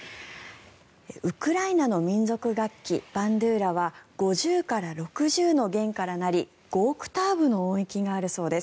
ウクライナの民族楽器バンドゥーラは５０から６０の弦からなり５オクターブの音域があるそうです。